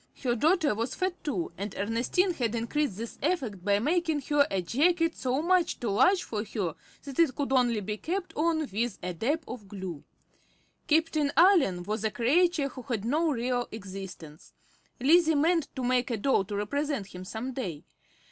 Her daughter was fat, too, and Ernestine had increased this effect by making her a jacket so much too large for her that it could only be kept on with a dab of glue. Captain Allen was a creature who had no real existence. Lizzie meant to make a doll to represent him some day.